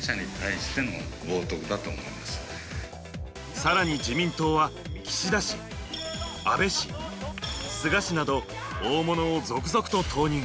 更に自民党は岸田氏、安倍氏、菅氏など大物を続々と投入。